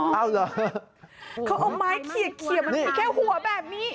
เขาเอาไม้เครียดมันมีแค่หัวแบบนี้